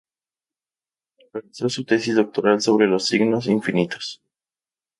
Realizó su tesis doctoral sobre "Los signos infinitos.